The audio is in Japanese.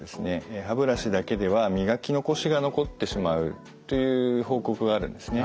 歯ブラシだけでは磨き残しが残ってしまうという報告があるんですね。